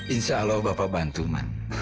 insyaallah bapak bantu man